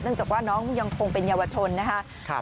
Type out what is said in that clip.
เนื่องจากว่าน้องยังคงเป็นเยาวชนนะคะ